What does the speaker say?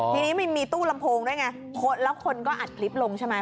ทีนี้มันมีตู้ลำโพงด้วยไงแล้วคนก็อัดคลิปลงใช่ไหม